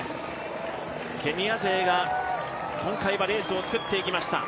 ケニア勢が今回はレースを作っていきました。